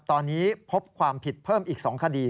ตอนนี้พบความผิดเพิ่มอีก๒คดี